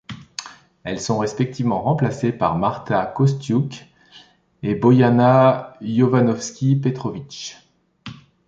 Elles sont respectivement remplacées par Marta Kostyuk et Bojana Jovanovski Petrović.